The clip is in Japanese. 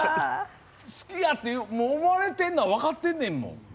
好きやって思われてるのは分かってんねんもん。